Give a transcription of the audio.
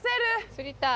釣りたい。